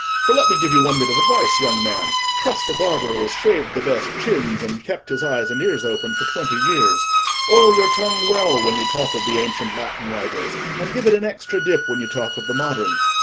For, let me give you one bit of advice, young man—trust a barber who has shaved the best chins, and kept his eyes and ears open for twenty years—oil your tongue well when you talk of the ancient Latin writers, and give it an extra dip when you talk of the modern.